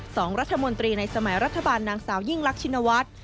สองรัฐมนตรีในสมัยรัฐบาลนางสาวยิ่งรักชินวัฒน์